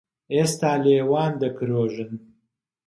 ئێستا لێوان دەکرۆژن